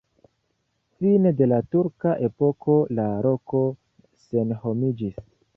Fine de la turka epoko la loko senhomiĝis.